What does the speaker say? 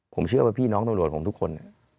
ผมเชื่อว่าพี่น้องตำรวจผมทุกคนเนี่ย